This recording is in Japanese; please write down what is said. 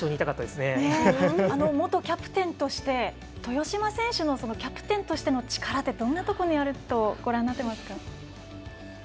元キャプテンとして豊島選手のキャプテンとしての力というのはどういうところにあるとご覧になってますか。